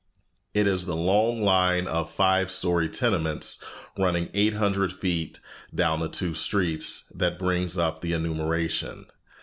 It is the long line of five story tenements, running eight hundred feet down the two streets, that brings up the enumeration.